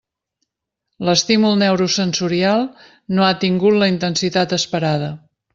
L'estímul neurosensorial no ha tingut la intensitat esperada.